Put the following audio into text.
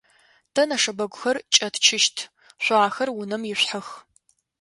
Тэ нэшэбэгухэр кӏэтчыщт, шъо ахэр унэм ишъухьэх.